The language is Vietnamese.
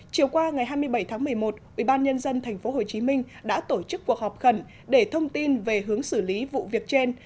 chiều qua ngày hai mươi bảy tháng một mươi một ubnd tp hcm đã tổ chức cuộc họp khẩn để thông tin về hướng xử lý vụ việc trên